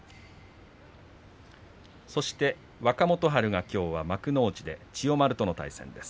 若元春がきょうは幕内で千代丸との対戦です。